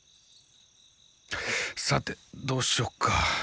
さてどうしよっか。